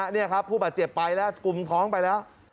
นี่ครับผู้บาดเจ็บไปแล้วกลุ่มท้องไปแล้ว